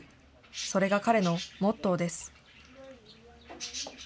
それが彼のモットーです。